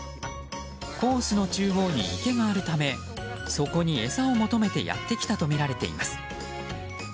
コースの中央に池があるためそこに餌を求めてやってきたとみられています。